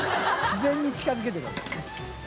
自然に近づけてるんだね。